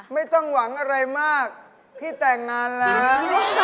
ไม่ต้องหวังอะไรมากพี่แต่งงานแล้ว